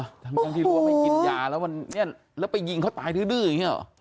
ทั้งที่รู้ว่าไม่กินยาแล้วมันเนี่ยแล้วไปยิงเขาตายดื้ออย่างนี้หรอ